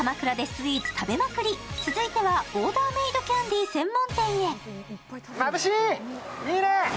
続いては、オーダーメードキャンディー専門店へ。